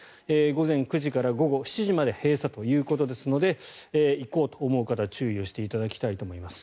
午前９時から午後７時まで閉鎖ということですので行こうと思う方は注意をしていただきたいと思います。